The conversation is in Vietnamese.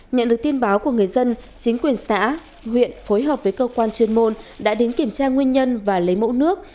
nhận được tin báo của người dân chính quyền xã huyện phối hợp với cơ quan chuyên môn đã đến kiểm tra nguyên nhân và lấy mẫu nước